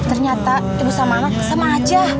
ternyata ibu sama anak sama aja